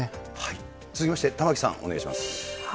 続きまして玉城さん、お願いします。